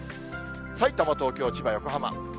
さいたま、東京、千葉、横浜。